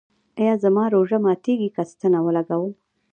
ایا زما روژه ماتیږي که ستنه ولګوم؟